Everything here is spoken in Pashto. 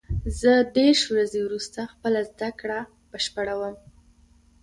زه دېرش ورځې وروسته خپله زده کړه بشپړوم.